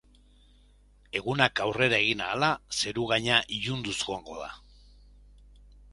Egunak aurrera egin ahala, zeru-gaina ilunduz joango da.